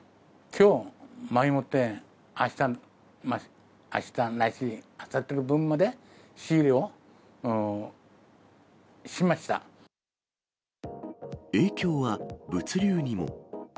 きょう、前もって、あしたないし、あさっての分まで、仕入れをしま影響は物流にも。